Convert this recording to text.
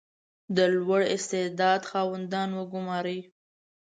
• د لوړ استعداد خاوندان وګمارئ.